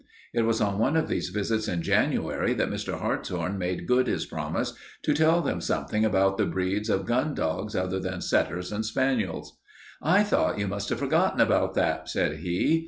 It was on one of these visits in January that Mr. Hartshorn made good his promise to tell them something about the breeds of gun dogs other than setters and spaniels. "I thought you must have forgotten about that," said he.